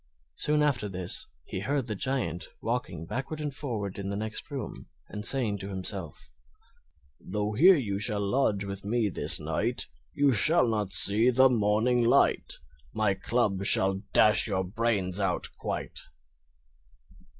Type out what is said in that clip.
Soon after this he heard the Giant walking backward and forward in the next room and saying to himself: "Though here you shall lodge with me this night, You shall not see the morning light; My club shall dash your brains out quite!"